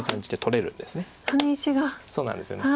そうなんですよね